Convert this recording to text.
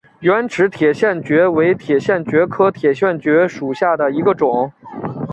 圆齿铁线蕨为铁线蕨科铁线蕨属下的一个种。